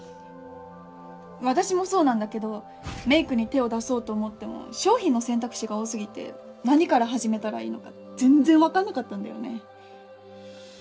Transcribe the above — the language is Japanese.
私もそうなんだけどメイクに手を出そうと思っても商品の選択肢が多過ぎて何から始めたらいいのか全然分かんなかったんだよね。